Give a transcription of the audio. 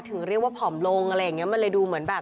ถึงเรียกว่าผอมลงอะไรอย่างเงี้มันเลยดูเหมือนแบบ